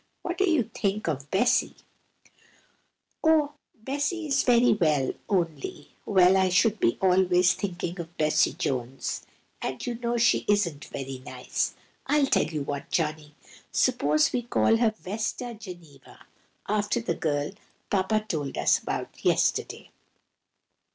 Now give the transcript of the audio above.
What do you think of Bessie?" "Oh, Bessie is very well, only—well, I should be always thinking of Bessie Jones, and you know she isn't very nice. I'll tell you what, Johnny! suppose we call her Vesta Geneva, after the girl Papa told us about yesterday."